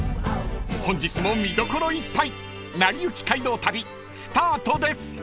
［本日も見どころいっぱい『なりゆき街道旅』スタートです］